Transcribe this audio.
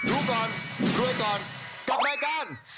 ดูก่อนด้วยก่อนกลับมากัน